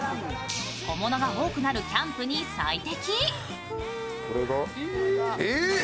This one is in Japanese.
小物が多くなるキャンプに最適。